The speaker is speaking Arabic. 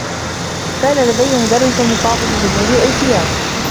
كان لديّ مدرّس مصاب بجنون الارتياب.